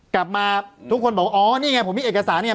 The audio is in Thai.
กลับมาทุกคนบอกอ๋อนี่ไงผมมีเอกสารเนี่ย